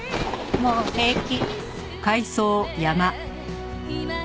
もう平気。